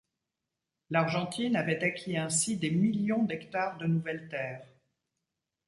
L'Argentine avait acquis ainsi des millions d'hectares de nouvelles terres.